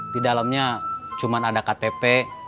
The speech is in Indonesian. di dalamnya cuma ada ktp